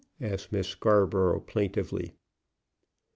asked Miss Scarborough, plaintively.